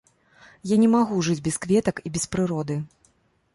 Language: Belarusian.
Я не магу жыць без кветак і без прыроды.